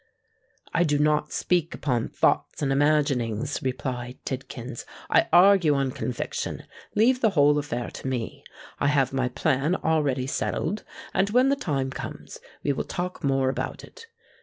"I do not speak upon thoughts and imaginings," replied Tidkins: "I argue on conviction. Leave the whole affair to me. I have my plan already settled—and, when the time comes, we will talk more about it.